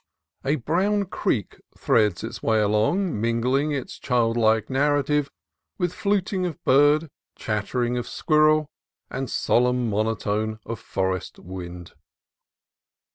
A brown creek threads its way along, mingling its childlike narrative with fluting of bird, chatter of squirrel, and solemn mono tone of forest wind.